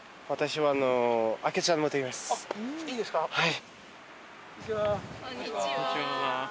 はい。